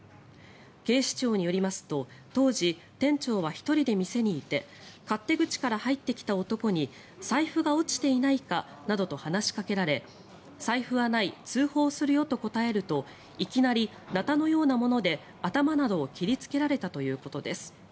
警視庁によりますと当時、店長は１人で店にいて勝手口から入ってきた男に財布が落ちていないかなどと話しかけられ財布はない、通報するよと答えるといきなりナタのようなもので頭などを切りつけられたということです。